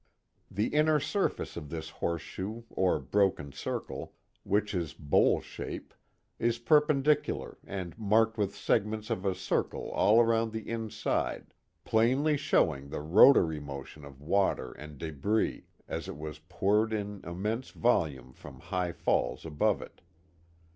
The inner surface of this horseshoe or broken circle, whicli is bowl shape, is perpendicular and marked with segments of a circle all around the inside, plainly showing the rotary motion of water and debris, as it was poured in immense volume from high falls above it.